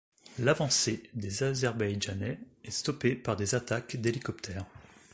L'avancée des Azerbaïdjanais est stoppée par des attaques d'hélicoptères.